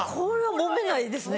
もめないですね。